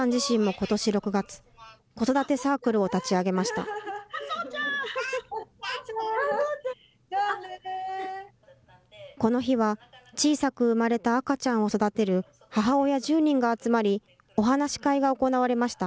この日は、小さく産まれた赤ちゃんを育てる母親１０人が集まり、お話会が行われました。